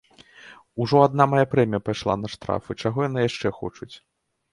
Ужо адна мая прэмія пайшла на штрафы, чаго яны яшчэ хочуць?!